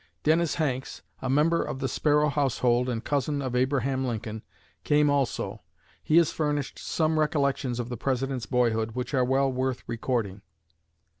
Dennis Hanks, a member of the Sparrow household and cousin of Abraham Lincoln, came also. He has furnished some recollections of the President's boyhood which are well worth recording.